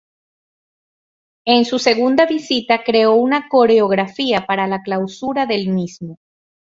En su segunda visita creó una coreografía para la clausura del mismo.